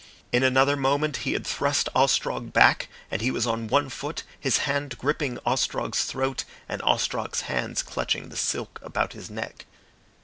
In another moment he had thrust Ostrog back, and he was on one foot, his hand gripping Ostrog's throat, and Ostrog's hands clutching the silk about his neck.